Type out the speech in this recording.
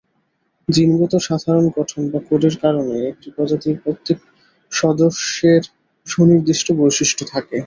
জিনগত সাধারন গঠন বা কোডের কারণে একটি প্রজাতির প্রত্যেক সদস্যের সুনির্দিষ্ট বৈশিষ্ট্য থাকে।